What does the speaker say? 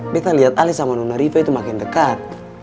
beta liat alis sama nuna riva itu makin dekat